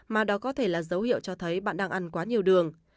mà đó có thể là dấu hiệu cho thấy bạn đang ăn quá nhiều đường